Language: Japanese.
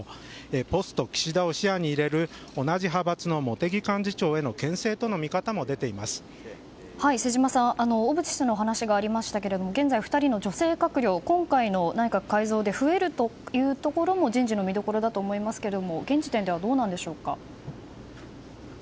ポスト岸田を視野に入れる同じ派閥の茂木幹事長への瀬島さん小渕氏の話がありましたが現在、２人の女性閣僚今回の内閣改造で増えるというところも人事の見どころだと思いますが現時点ではどうなんでしょうか。